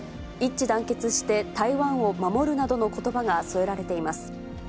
一致団結して台湾を守るなどのことばが添えられています。